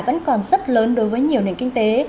vẫn còn rất lớn đối với nhiều nền kinh tế